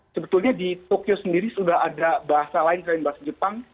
sebetulnya di tokyo sendiri sudah ada bahasa lain selain bahasa jepang